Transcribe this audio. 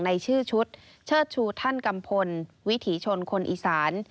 ในชื่อชุดเชิดชูท่านกัมพลวิถีชนคนอีสาน